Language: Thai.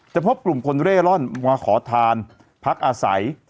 พบกลุ่มคนเร่ร่อนมาขอทานพักอาศัย